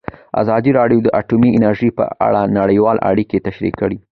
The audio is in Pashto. ازادي راډیو د اټومي انرژي په اړه نړیوالې اړیکې تشریح کړي.